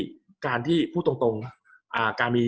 กับการสตรีมเมอร์หรือการทำอะไรอย่างเงี้ย